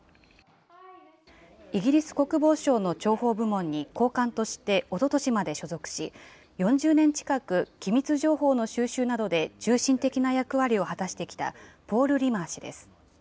イギリス国防省の諜報部門に高官としておととしまで所属し、４０年近く機密情報の収集などで中心的な役割を果たしてきたポール・リマー氏です。